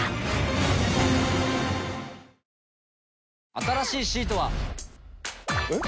新しいシートは。えっ？